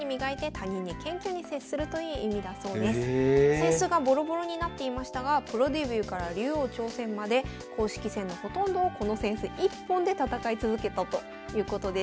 扇子がボロボロになっていましたがプロデビューから竜王挑戦まで公式戦のほとんどをこの扇子一本で戦い続けたということです。